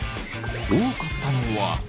多かったのは。